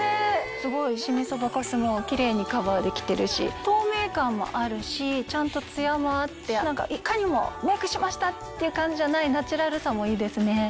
すごいシミそばかすもキレイにカバーできてるし透明感もあるしちゃんとツヤもあっていかにもメイクしましたっていう感じじゃないナチュラルさもいいですね。